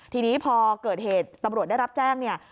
ทีนี้พอเกิดเหตุตำรวจได้รับแจ้งเนี่ย